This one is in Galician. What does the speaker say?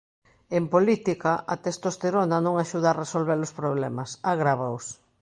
En política, a testosterona non axuda a resolver os problemas, agrávaos...